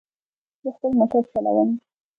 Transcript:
زه خپل موټر چلوم